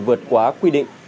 vượt quá quy định